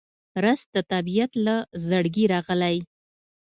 رس د طبیعت له زړګي راغلی